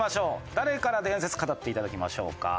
誰から伝説語って頂きましょうか？